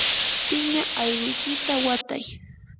piña allquykita watay.